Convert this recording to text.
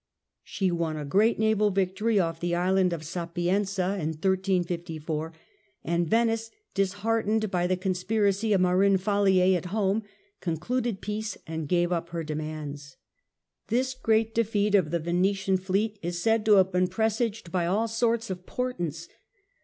She won a great naval victory off the^^^^ island of Sapienza ; and Venice, disheartened by the Battle of conspiracy of Marin Falier at home, concluded peace] 35]*^"^'^' and gave up her demands. This great defeat of the Venetian fleet is said to have been presaged by all sorts of portents.